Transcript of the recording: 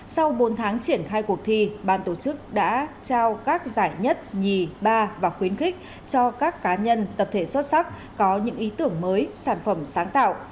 sau bốn tháng triển khai cuộc thi ban tổ chức đã trao các giải nhất nhì ba và khuyến khích cho các cá nhân tập thể xuất sắc có những ý tưởng mới sản phẩm sáng tạo